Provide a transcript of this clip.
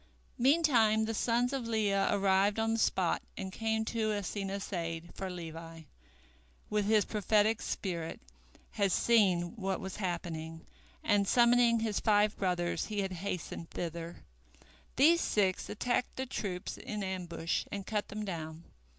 Meantime the sons of Leah arrived on the spot and came to Asenath's aid, for Levi, with his prophetic spirit, had seen what was happening, and summoning his five brothers he had hastened thither. These six attacked the troops in ambush and cut them down.